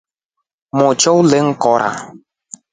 Uli ni motro ulingikora.